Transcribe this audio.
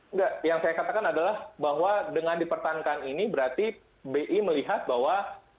enggak yang saya katakan adalah bahwa dengan dipertahankan ini berarti bi melihat bahwa